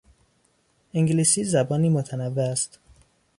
انگلیسی زبانی متنوع است.